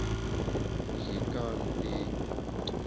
Nji ka nté.